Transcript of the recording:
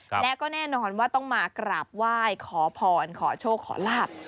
และก็แน่นอนว่าต้องมากราบไหว้ขอพรขอโชคขอลาบ